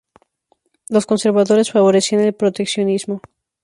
Los conservadores favorecían el proteccionismo.